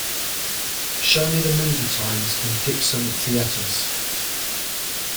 show me the movie times in Dipson Theatres